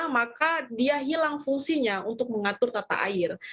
maka dia hilang fungsinya untuk mengatur tata air